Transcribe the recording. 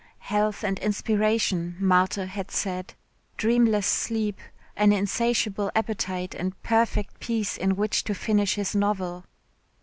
Health and inspiration, Marthe had said, dreamless sleep, an insatiable appetite and perfect peace in which to finish his novel.